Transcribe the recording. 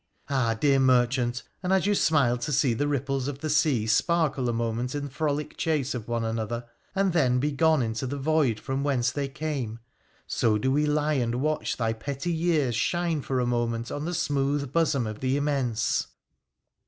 Ah ! dear merchant, and as you smile to see the ripples of the sea sparkle a moment in frolic chase of one another, and then be gone into the void from whence they came, so do we lie and watch thy petty years shine for a moment on the smooth bosom of the immense.'